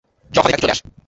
যখনই ডাকি চলে আসে।